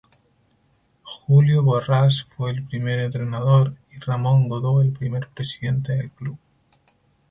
Julio Borrás fue el primer entrenador y Ramon Godó el primer presidente del club.